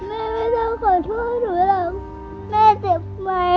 แม่ไม่ต้องขอโทษหนูหรอกแม่เจ็บไหม